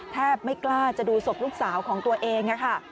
ไม่กล้าจะดูศพลูกสาวของตัวเองค่ะ